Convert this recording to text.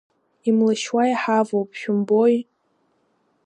Имлашьуа иҳавоуп, шәымбои?